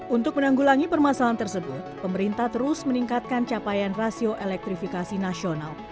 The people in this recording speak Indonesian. untuk menanggulangi permasalahan tersebut pemerintah terus meningkatkan capaian rasio elektrifikasi nasional